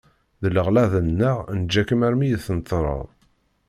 D leɣlaḍ-nneɣ neǧǧa-kem armi i tenṭerreḍ.